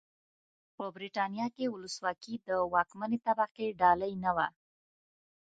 په برېټانیا کې ولسواکي د واکمنې طبقې ډالۍ نه وه.